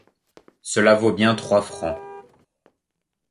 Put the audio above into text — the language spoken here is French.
Cela vaut bien trois francs.